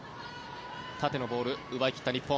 縦のボール奪い切った、日本。